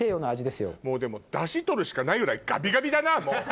でもダシ取るしかないぐらいガビガビだなもう！